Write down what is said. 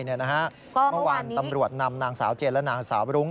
เมื่อวานตำรวจนำนางสาวเจนและนางสาวรุ้ง